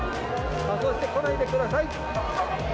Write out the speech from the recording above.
仮装して来ないでください。